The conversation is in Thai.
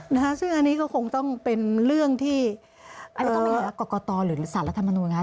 นะคะซึ่งอันนี้ก็คงต้องเป็นเรื่องที่กรกตรหรือศาลรัฐมนูญนะคะ